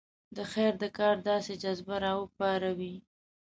د خیر د کار داسې جذبه راپاروي.